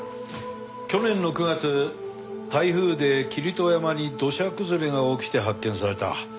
去年の９月台風で霧戸山に土砂崩れが起きて発見された。